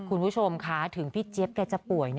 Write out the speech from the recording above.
คุณผู้ชมคะถึงพี่เจี๊ยบแกจะป่วย